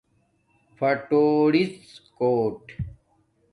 پھاٹُوریڎ کوٹ